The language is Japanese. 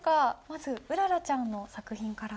まずうららちゃんの作品から。